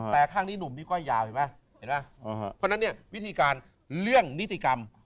แต่ข้างนี้หนุ่มนี่ก้อยยาวเห็นไหมเห็นไหมเพราะฉะนั้นเนี่ยวิธีการเรื่องนิติกรรม